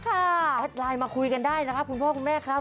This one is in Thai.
แอดไลน์มาคุยกันได้นะครับคุณพ่อคุณแม่ครับ